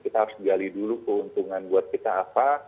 kita harus gali dulu keuntungan buat kita apa